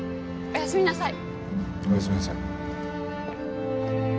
おやすみなさい。